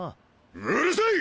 うるさい！